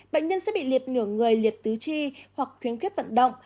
bệnh nhân sẽ bị liệt ngửa người liệt tứ chi hoặc khuyến khuyết vận động